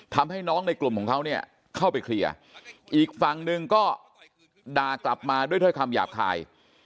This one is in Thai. ทำให้น้องในกลุ่มของเขาเนี่ยเข้าไปเคลียร์อีกฝั่งหนึ่งก็ด่ากลับมาด้วยถ้อยคำหยาบคาย